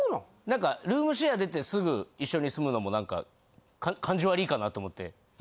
何かルームシェア出てすぐ一緒に住むのも何か感じ悪いかなと思って。